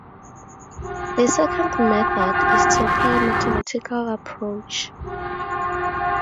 A second method is to apply a mathematical approach.